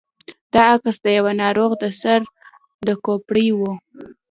دا عکس د يوه ناروغ د سر د کوپړۍ و.